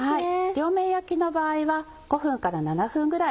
両面焼きの場合は５分から７分ぐらい。